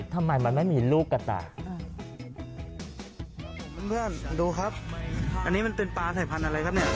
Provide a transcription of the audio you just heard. ทำไมมันไม่มีลูกกระต่ายผมเพื่อนดูครับอันนี้มันเป็นปลาสายพันธุ์อะไรครับเนี่ย